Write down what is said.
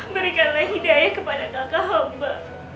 berikanlah hidayah kepada kakak hamba